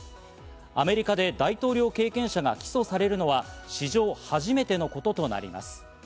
アメリカで大統領経験者が起訴されるのは史上初めてのこととなります。